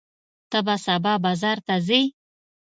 ته به سبا بازار ته ځې؟